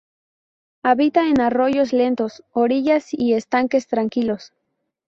Habita en arroyos lentos, orillas y estanques tranquilos.